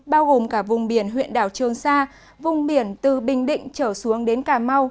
bao gồm cả vùng biển huyện đảo trường sa vùng biển từ bình định trở xuống đến cà mau